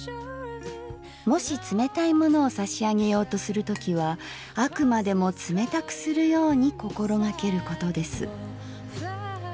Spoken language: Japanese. もし冷たいものを差上げようとする時はあくまでも冷たくするように心がけることです」。